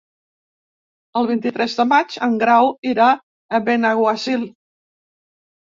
El vint-i-tres de maig en Grau irà a Benaguasil.